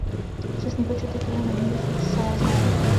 Přesný počet titulů není dosud zcela znám.